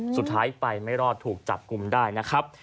สุดท้ายไปไม่รอดถูกจับกลุ่มได้นะครับ